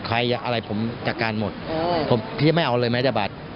ใครอะไรผมจากการหมดพี่จะไม่เอาเลยแม้แต่บาท